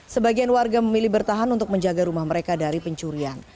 sebagian warga memilih bertahan untuk menjaga rumah mereka dari pencurian